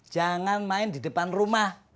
jangan main di depan rumah